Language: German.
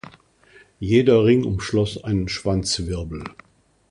Jeder Ring umschloss einen Schwanzwirbel.